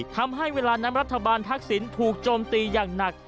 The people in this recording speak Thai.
ทำให้เวลานั้นรัฐบาลทักษิณถูกโจมตีอย่างหนัก